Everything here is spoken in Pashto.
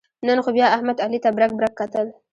نن خو بیا احمد علي ته برگ برگ کتل.